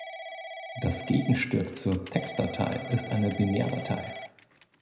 Das Gegenstück zur Textdatei ist eine Binärdatei.